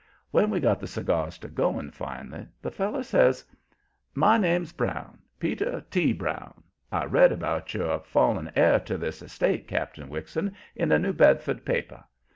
When we got the cigars to going finally, the feller says: "My name's Brown Peter T. Brown. I read about your falling heir to this estate, Cap'n Wixon, in a New Bedford paper.